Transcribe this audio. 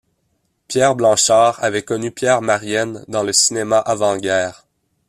Pierre Blanchar avait connu Pierre Marienne dans le cinéma avant guerre.